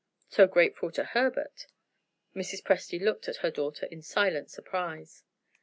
"So grateful to Herbert." Mrs. Presty looked at her daughter in silent surprise.